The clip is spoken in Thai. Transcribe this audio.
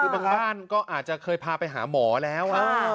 คือบางบ้านก็อาจจะเคยพาไปหาหมอแล้ว